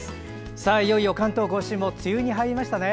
さあ、いよいよ関東・甲信も梅雨に入りましたね。